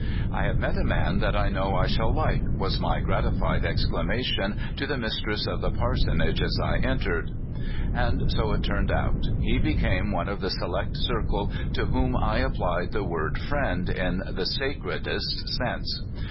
" I have met a man that I know I shall like," was my gratified exclamation to the mistress of the parsonage, as I entered. And so it turned out. He became one of the select circle to whom I applied the word friend in the sacredest sense.